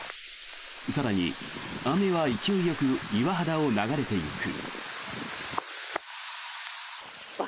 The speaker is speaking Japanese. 更に、雨は勢いよく岩肌を流れていく。